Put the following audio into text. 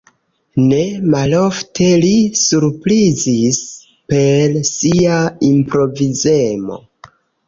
Ne malofte li surprizis per sia improvizemo.